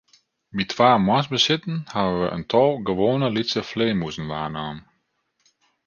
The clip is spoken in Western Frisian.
By twa moarnsbesiten hawwe wy in tal gewoane lytse flearmûzen waarnommen.